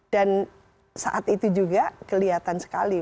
dan saat itu juga kelihatan sekali